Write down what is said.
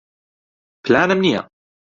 پلانم نییە.